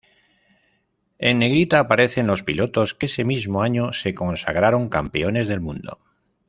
En negrita aparecen los pilotos que ese mismo año se consagraron campeones del mundo.